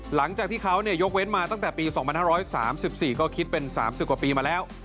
หลังจากที่เขายกเว้นมาตั้งแต่ปี๒๕๓๔ก็คิดเป็น๓๐กว่าปีมาแล้ว